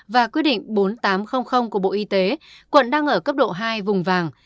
và quyết định bốn nghìn tám trăm linh của bộ y tế quận đang ở cấp độ hai vùng vàng